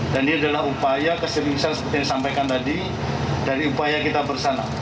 dan ini adalah upaya keseluruhan seperti yang disampaikan tadi dari upaya kita bersama